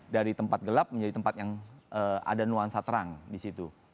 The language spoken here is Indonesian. dari tempat gelap menjadi tempat yang ada nuansa terang di situ